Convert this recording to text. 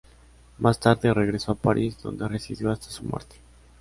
Más tarde regresó a París, donde residió hasta su muerte.